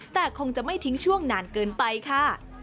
แต่คงจะไม่ทิ้งช่วงนานเกินไปค่ะ